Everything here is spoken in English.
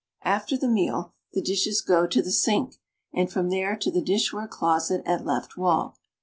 After the meal, the dishes go to the sink, and from there to the dishware closet at left wall.